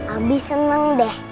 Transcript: abi seneng deh